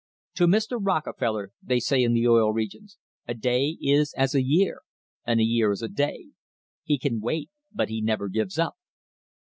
"To Mr. Rockefeller,' , they say in the Oil Regions, "a day is as a year and a year as a day. He can wait, but he never gives up."